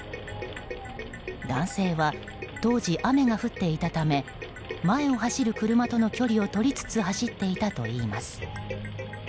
男性は当時、雨が降っていたため前を走る車との距離をとりつつ走っていたといいます。